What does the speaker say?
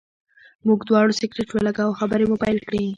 موږ دواړو سګرټ ولګاوه او خبرې مو پیل کړې.